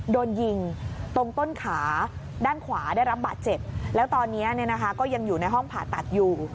โดนยิงตรงต้นขาด้านขวาได้รับบาดเจ็บแล้วตอนนี้ก็ยังอยู่ในห้องผ่าตัดอยู่